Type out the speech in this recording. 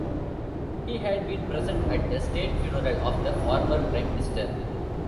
He had been present at the state funeral of the former Prime Minister.